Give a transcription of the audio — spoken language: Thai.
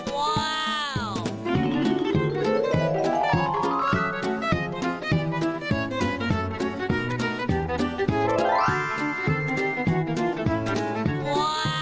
ว้าว